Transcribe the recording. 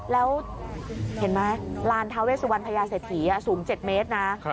แล้วเห็นไหมลานทาเวสุวรรณพยาเศรษฐีอ่ะสูงเจ็ดเมตรนะครับ